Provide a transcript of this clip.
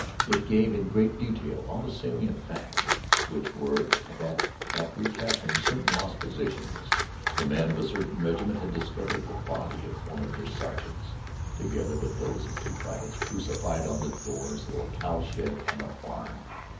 It gave in great detail all the salient facts which were that after recapturing certain lost positions, the men of a certain regiment had discovered the body of one of their sergeants, together with those of two privates, crucified on the doors of a cowshed and a barn.